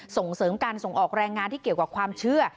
ส่งเสริมการส่งออกแรงงานที่เกี่ยวกับความเชื่อ